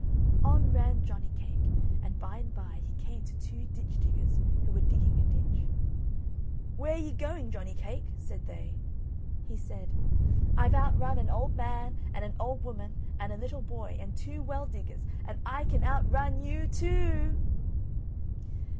On ran Johnny cake, and by and by he came to two ditch diggers who were digging a ditch. "Where ye going, Johnny cake?" said they. He said: "I've outrun an old man, and an old woman, and a little boy, and two well diggers, and I can outrun you too o o!"